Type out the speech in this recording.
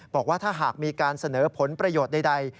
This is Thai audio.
บอกว่าถ้าหากมีการเสนอผลประโยชน์ใด